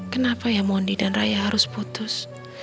kenapa ya mondi dan raya harus putus